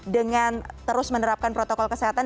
dengan terus menerapkan protokol kesehatan